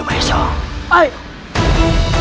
pajajaran sedang dilanda pemberontakan